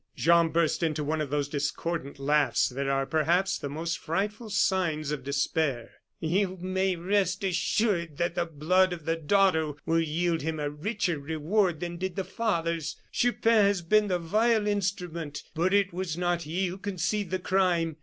Jean burst into one of those discordant laughs that are, perhaps, the most frightful signs of despair. "You may rest assured that the blood of the daughter will yield him a richer reward than did the father's. Chupin has been the vile instrument; but it was not he who conceived the crime.